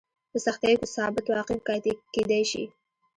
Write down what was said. په سختیو کې ثابت واقع کېدای شي.